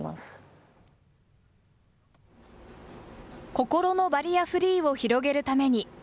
心のバリアフリーを広げるために。